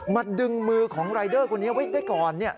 ดึงมือของรายเดอร์คนนี้ไว้ได้ก่อน